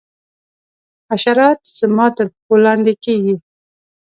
حشرات زما تر پښو لاندي کیږي.